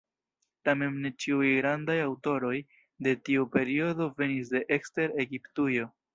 Tamen ne ĉiuj grandaj aŭtoroj de tiu periodo venis de ekster Egiptujo.